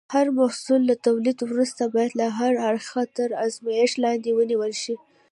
هر محصول له تولید وروسته باید له هر اړخه تر ازمېښت لاندې ونیول شي.